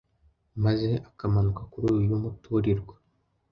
maze akamanuka kuri uyu muturirwa